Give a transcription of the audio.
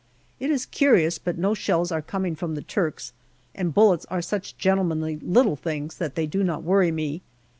It is curious, but no shells are coming from the Turks, and bullets are such gentlemanly little things that they do not worry me.